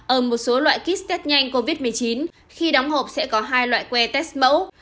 ở một số loại kit test nhanh covid một mươi chín khi đóng hộp sẽ có hai loại que test mẫu